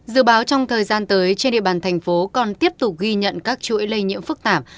dự báo trong thời gian tới trên địa bàn thành phố còn tiếp tục ghi nhận các chuỗi lây nhiễm phức tạp